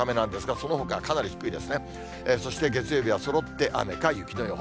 そして月曜日はそろって雨か雪の予報。